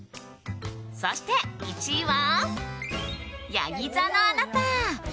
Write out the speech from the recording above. そして１位は、やぎ座のあなた。